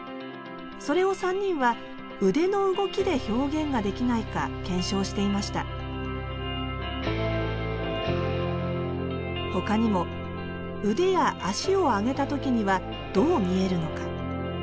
それを３人は腕の動きで表現ができないか検証していましたほかにも腕や足を上げた時にはどう見えるのか。